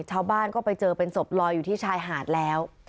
ชาวบ้านก็ไปเจอเป็นศพลอยอยู่ที่ชายหาดแล้ว